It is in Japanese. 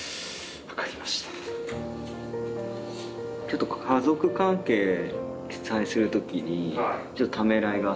ちょっと家族関係記載する時にちょっとためらいがあったっていうのは。